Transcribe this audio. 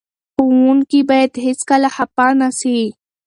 ښوونکي باید هېڅکله خفه نه سي.